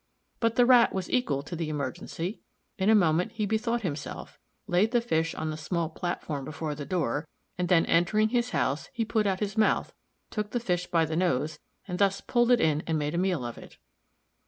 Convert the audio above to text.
But the Rat was equal to the emergency. In a moment he bethought himself, laid the fish on the small platform before the door, and then entering his house he put out his mouth, took the fish by the nose and thus pulled it in and made a meal of it.